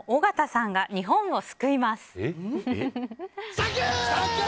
サンキュー！